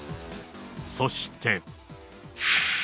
そして。